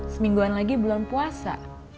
semingguan lagi bulan puasa